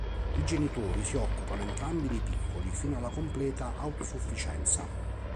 I genitori si occupano entrambi dei piccoli fino alla completa autosufficienza.